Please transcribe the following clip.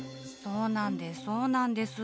そうなんですなんです。